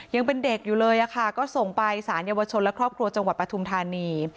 ยังเป็นเด็กอยู่เลยค่ะก็ส่งไปสารเยาวชนและครอบครัวจังหวัดปฐุมธานี